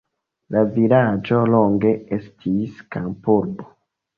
La vilaĝo longe estis kampurbo.